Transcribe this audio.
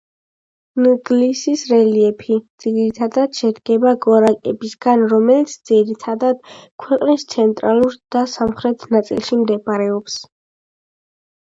ნგლისის რელიეფი, ძირითადად, შედგება გორაკებისგან რომელიც ძირითადად ქვეყნის ცენტრალურ და სამხრეთ ნაწილში მდებარეობს